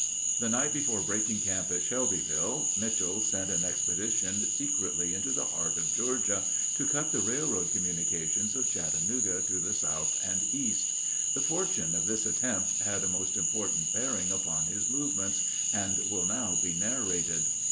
The night before breaking camp at Shelbyville, Mitchel sent an expedition secretly into the heart of Georgia to cut the railroad communications of Chattanooga to the south and east. The fortune of this attempt had a most important bearing upon his movements, and will now be narrated.